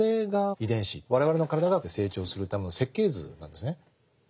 我々の体が成長するための設計図なんですね。